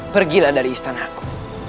pergilah dari istanaku